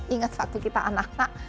ingat waktu kita anak nak